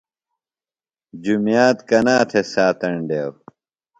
جُمیات کنا تھےۡ ساتینڈیو؟